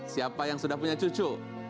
siapa yang sudah punya cucu